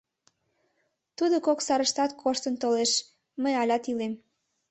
Тудо кок сарыштат коштын толеш — мый алят илем.